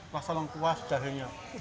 rasa lengkuas jahenya